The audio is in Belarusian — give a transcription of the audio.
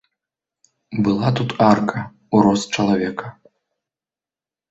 Была тут арка, у рост чалавека.